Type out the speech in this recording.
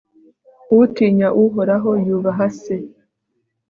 utinya uhoraho yubaha se